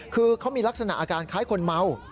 คือเขามีลักษณะอาการคล้ายคนเมา